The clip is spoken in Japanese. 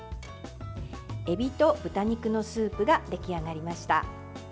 エビと豚肉のスープが出来上がりました。